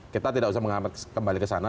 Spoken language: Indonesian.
kita tidak usah menghambat kembali ke sana